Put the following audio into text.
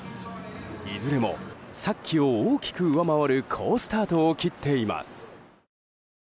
いずれも昨季を大きく上回る好スタートを切っています。